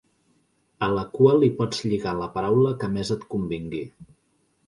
A la cua li pots lligar la paraula que més et convingui.